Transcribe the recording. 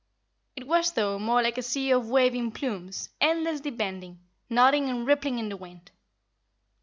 It was, though, more like a sea of waving plumes, endlessly bending, nodding and rippling in the wind.